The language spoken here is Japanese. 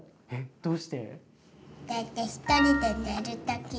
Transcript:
どうして？